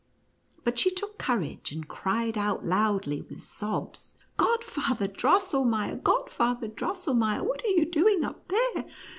But she took courage, and cried out loudly, with sobs, " Godfather Drosselmeier, Godfather Drosselmeier, what are you doing up there?